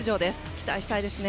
期待したいですね。